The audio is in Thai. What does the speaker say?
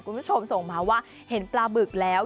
คุณผู้ชมส่งมาว่าเห็นปลาบึกแล้ว